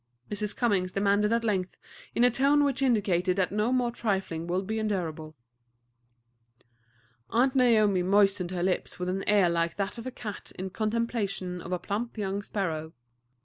Mrs. Cummings demanded at length, in a tone which indicated that no more trifling would be endurable. Aunt Naomi moistened her lips with an air like that of a cat in contemplation of a plump young sparrow.